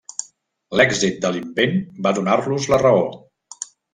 L'èxit de l'invent va donar-los la raó.